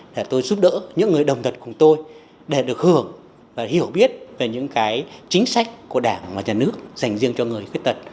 để tôi giúp đỡ những người đồng tật cùng tôi để được hưởng và hiểu biết về những cái chính sách của đảng và nhà nước dành riêng cho người khuyết tật